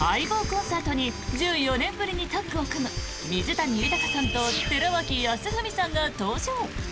コンサートに１４年ぶりにタッグを組む水谷豊さんと寺脇康文さんが登場。